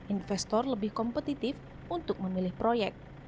investor lebih kompetitif untuk memilih proyek